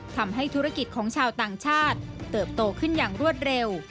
ทำให้ธุรกิจของชาวต่างชาติเติบโตขึ้นอย่างรวดเร็ว